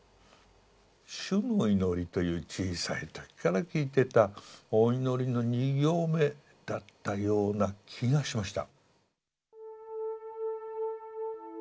「主の祈り」という小さい時から聞いてたお祈りの２行目だったような気がしました。